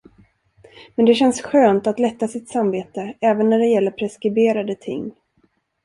Men det känns skönt att lätta sitt samvete, även när det gäller preskriberade ting.